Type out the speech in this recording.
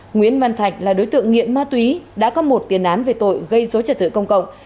nguyễn văn thạch là đối tượng nghiện ma túy đã có một tiền án về tội gây dối trật tự công cộng